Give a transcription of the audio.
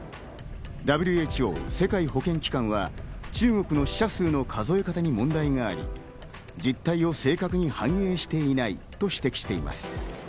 ＷＨＯ＝世界保健機関は中国の死者数の数え方に問題があり、実態を正確に反映していないと指摘しています。